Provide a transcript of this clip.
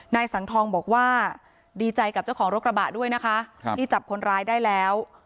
นายสังทองบอกว่าดีใจกับเจ้าของรถกระบะด้วยนะคะที่จับคนร้ายได้แล้ว